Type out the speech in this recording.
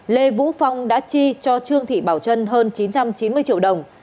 lê vũ phong đã chi cho trương thị bảo trân hơn chín trăm chín mươi triệu đồng